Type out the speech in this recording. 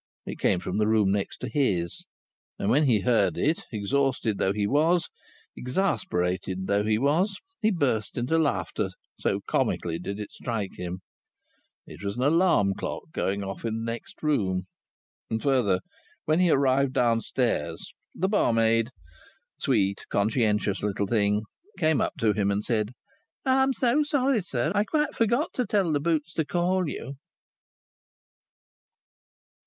It came from the room next to his, and, when he heard it, exhausted though he was, exasperated though he was, he burst into laughter, so comically did it strike him. It was an alarm clock going off in the next room. And, further, when he arrived downstairs, the barmaid, sweet, conscientious little thing, came up to him and said, "I'm so sorry, sir. I quite forgot to tell the boots to call you!"